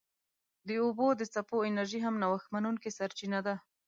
د اوبو د څپو انرژي هم نوښت منونکې سرچینه ده.